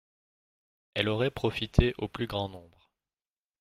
Elle aurait profité au plus grand nombre